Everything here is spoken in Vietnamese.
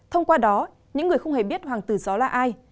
thông qua đó những người không hề biết hoàng tử gió là ai